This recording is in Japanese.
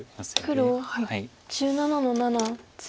黒１７の七ツギ。